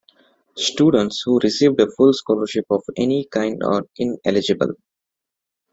Students who received a full scholarship of any kind are ineligible.